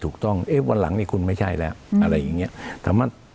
ถูกต้องเอ๊ะวันหลังเนี่ยคุณไม่ใช่แล้วอะไรอย่างเงี้ยแต่มัน